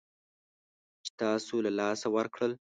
چې تاسو له لاسه ورکړل